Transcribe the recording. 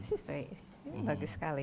ini bagus sekali